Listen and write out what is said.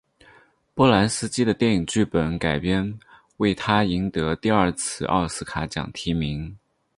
波兰斯基的电影剧本改编为他赢得第二次奥斯卡奖提名。